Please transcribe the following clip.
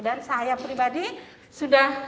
dan saya pribadi sudah